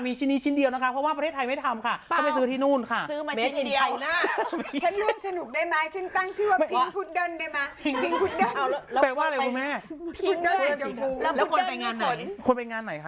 แปลว่าอะไรคุณแม่พิมพ์ได้จริงแล้วคนไปงานไหนคนไปงานไหนคะ